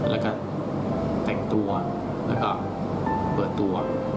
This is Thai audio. แล้วก็แต่งตัวแล้วก็เปิดตัว